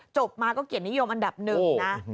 จบมาก็เกลียดนิยมอันดับ๑นะ